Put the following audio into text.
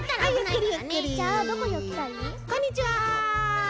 こんにちは！